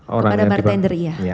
kepada bartender iya